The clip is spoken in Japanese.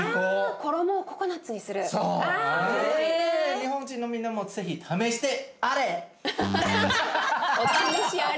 日本人のみんなも是非お試しあれ。